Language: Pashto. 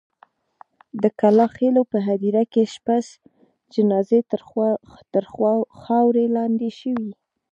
د کلا خېلو په هدیره کې شپږ جنازې تر خاورو لاندې شوې.